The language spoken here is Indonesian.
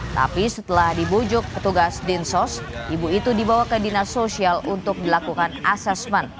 tapi setelah dibujuk petugas dinsos ibu itu dibawa ke dinas sosial untuk dilakukan asesmen